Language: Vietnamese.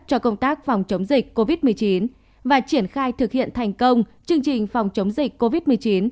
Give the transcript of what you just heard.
cho công tác phòng chống dịch covid một mươi chín và triển khai thực hiện thành công chương trình phòng chống dịch covid một mươi chín hai nghìn hai mươi hai hai nghìn hai mươi ba